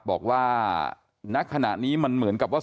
บอกว่าณขณะนี้มันเหมือนกับว่า